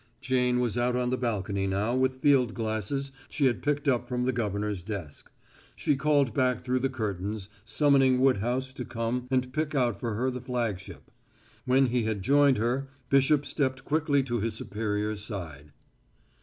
Jane was out on the balcony now with field glasses she had picked up from the governor's desk. She called back through the curtains, summoning Woodhouse to come and pick out for her the flagship. When he had joined her, Bishop stepped quickly to his superior's side.